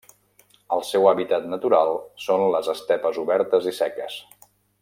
El seu hàbitat natural són les estepes obertes i seques.